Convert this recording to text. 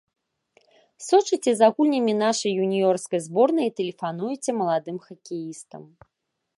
Сочыце за гульнямі нашай юніёрскай зборнай і тэлефануеце маладым хакеістам.